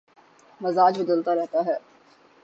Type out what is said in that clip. مزاج بدلتا رہتا ہے